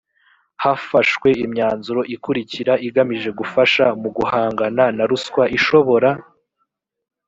hafashwe imyanzuro ikurikira igamije gufasha mu guhangana na ruswa ishobora